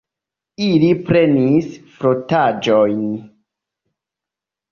Ili prenis frotaĵojn.